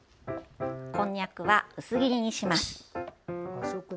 こんにゃくは薄切りにします。